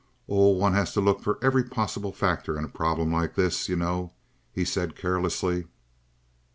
"Oh, one has to look out for every possible factor in a problem like this, you know," he said carelessly.